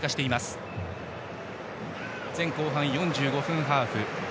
前後半４５分ハーフ。